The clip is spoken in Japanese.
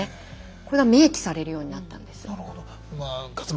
これが明記されるようになったんです。